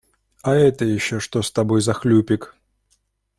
А это еще что с тобой за хлюпик?